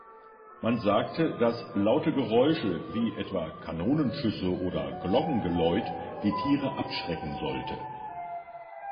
Man sagte, dass laute Geräusche, wie etwa Kanonenschüsse oder Glockengeläut die Tiere abschrecken sollte.